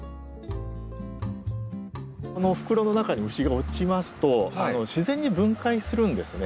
この袋の中に虫が落ちますと自然に分解するんですね。